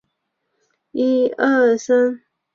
沙磁文化区由前重庆大学校长胡庶华极力倡导。